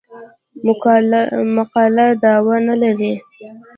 مقاله دعوا نه لري.